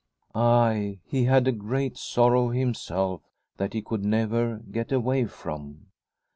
Ay, he had a great sorrow himself that he could never get away from